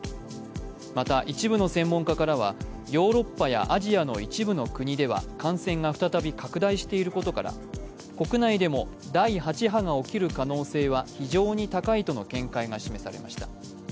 また一部の専門家からはヨーロッパやアジアの一部の国では感染が再び拡大していることから国内でも第８波が起きる可能性は非常に高いとの見解が示されました。